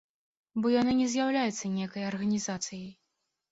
Бо яны не з'яўляюцца нейкай арганізацыяй.